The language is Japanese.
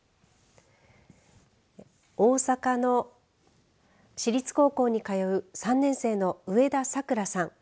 大阪の私立高校に通う３年生の上田さくらさん。